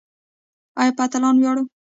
آیا په اتلانو ویاړو؟